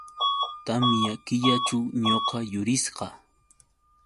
Tamya killaćhu ñuqa yurisqa.